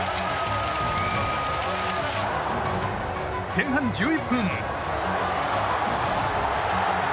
前半１１分。